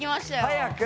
早く。